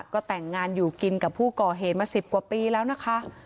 ก็แต่งงานอยู่กินกับผู้ก่อเหตุมา๑๐กว่าปีแล้วนะคะ